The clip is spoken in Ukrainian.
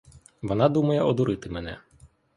Вона думає одурити мене.